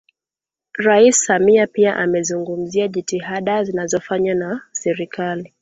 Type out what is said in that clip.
Rais Samia pia amezungumzia jitihada zinazofanywa na Serikali